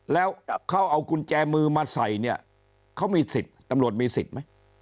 แล้วเขาเอากุญแจมือมาใส่เนี่ยเขามีสิทธิ์ตำรวจมีสิทธิ์ไหม